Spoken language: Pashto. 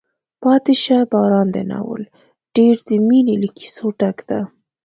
پاتې شه باران دی ناول ډېر د مینې له کیسو ډک ده.